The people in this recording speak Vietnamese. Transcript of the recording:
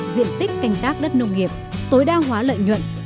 diện tích canh tác đất nông nghiệp tối đa hóa lợi nhuận